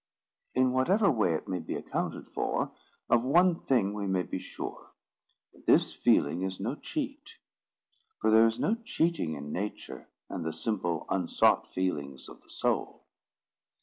In whatever way it may be accounted for, of one thing we may be sure, that this feeling is no cheat; for there is no cheating in nature and the simple unsought feelings of the soul.